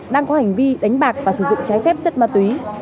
đang có hành vi đánh bạc và sử dụng trái phép chất ma túy